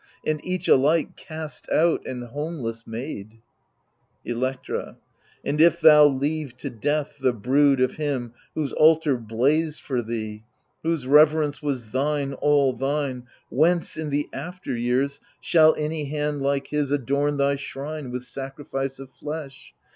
And each alike cast out and homeless made. Electra And if thou leave to death the brood of him Whose altar blazed for thee, whose reverence Was thine, all thine, — whence, in the after years, Shall any hand like his adorn thy shrine With sacrifice of flesh